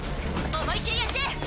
思い切りやって！